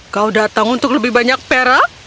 kau datang untuk lebih banyak pera